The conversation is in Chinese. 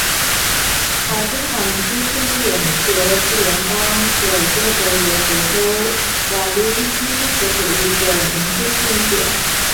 卡津卡农村居民点是俄罗斯联邦别尔哥罗德州瓦卢伊基区所属的一个农村居民点。